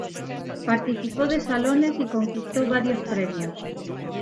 Participó de salones, y conquistó varios premios.